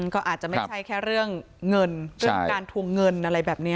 ก็อาจจะไม่ใช่แค่เรื่องเงินเรื่องการทวงเงินอะไรแบบนี้